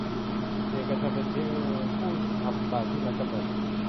เอกชนเป็นเพียงผู้ทำตามที่รัฐกำหนด